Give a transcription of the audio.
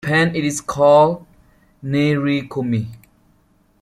In Japan it is called "nerikomi".